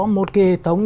một cái hệ thống